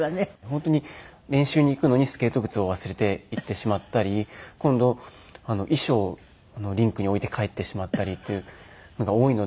本当に練習に行くのにスケート靴を忘れて行ってしまったり今度衣装をリンクに置いて帰ってしまったりっていうのが多いので。